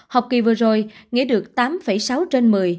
học kỳ vừa rồi nghĩa được tám sáu triệu đồng